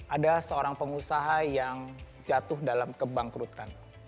ada seorang pengusaha yang jatuh dalam kebangkrutan